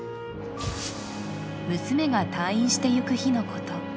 娘が退院していく日のこと。